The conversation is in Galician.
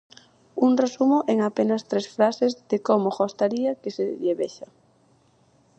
Un resumo en apenas tres frases de como gostaría que se lle vexa.